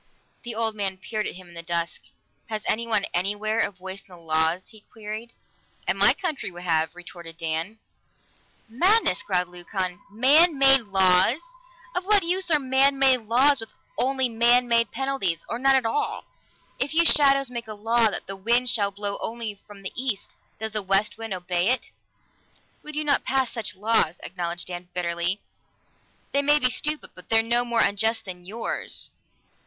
The old man peered at him in the dusk. "Has anyone, anywhere, a voice in the laws?" he queried. "In my country we have," retorted Dan. "Madness!" growled Leucon. "Man made laws! Of what use are man made laws with only man made penalties, or none at all? If you shadows make a law that the wind shall blow only from the east, does the west wind obey it?" "We do pass such laws," acknowledged Dan bitterly. "They may be stupid, but they're no more unjust than yours."